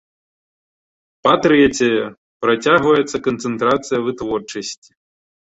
Па-трэцяе, працягваецца канцэнтрацыя вытворчасці.